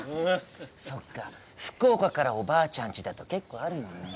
そっか福岡からおばあちゃんちだと結構あるもんね。